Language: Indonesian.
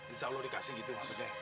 insya allah dikasih gitu maksudnya